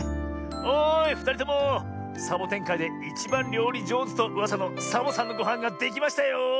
おいふたりともサボテンかいでいちばんりょうりじょうずとうわさのサボさんのごはんができましたよ。